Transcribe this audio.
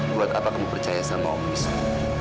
buat apa kamu percaya sama om yusuf